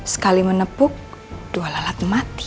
sekali menepuk dua lalat mati